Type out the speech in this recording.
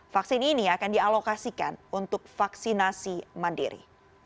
vaksin ini akan dialokasikan untuk vaksinasi mandiri